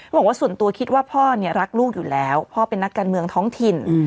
บอกว่าส่วนตัวคิดว่าพ่อเนี่ยรักลูกอยู่แล้วพ่อเป็นนักการเมืองท้องถิ่น